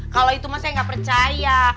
kalau itu masa saya gak percaya